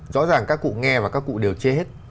rõ ràng các cụ nghe và các cụ đều chê hết